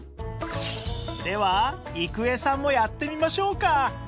では郁恵さんもやってみましょうか